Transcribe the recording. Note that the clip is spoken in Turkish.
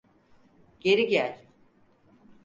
Geri gel.